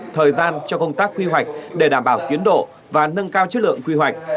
thời gian cho công tác quy hoạch để đảm bảo tiến độ và nâng cao chất lượng quy hoạch